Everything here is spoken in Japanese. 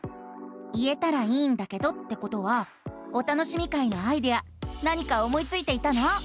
「言えたらいいんだけど」ってことは「お楽しみ会」のアイデア何か思いついていたの？